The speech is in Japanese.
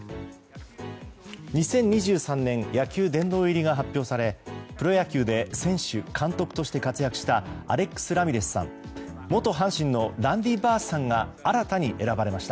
２０２３年野球殿堂入りが発表されプロ野球で選手、監督として活躍したアレックス・ラミレスさん元阪神のランディ・バースさんが新たに選ばれました。